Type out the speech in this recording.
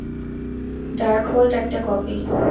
Darkhold একটা copy!